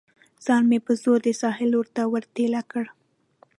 ځان مې په زوره د ساحل لور ته ور ټېله کړ.